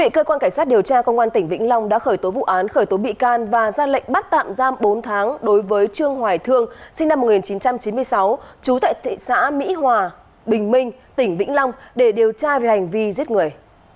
cơ quan cảnh sát điều tra công an tỉnh vĩnh long đã khởi tố vụ án khởi tố bị can và ra lệnh bắt tạm giam bốn tháng đối với trương hoài thương sinh năm một nghìn chín trăm chín mươi sáu trú tại thị xã mỹ hòa bình minh tỉnh vĩnh long để điều tra về hành vi giết người